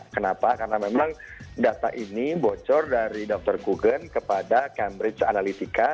kenapa karena memang data ini bocor dari dr kugen kepada cambridge analytica